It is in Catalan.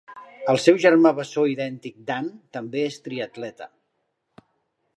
El seu germà bessó idèntic Dan també és triatleta.